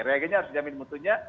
reagennya harus dijamin mutunya